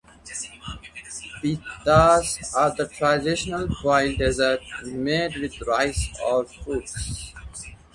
Pithas are traditional boiled desserts made with rice or fruits.